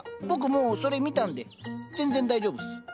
僕もうそれ見たんで全然大丈夫っす。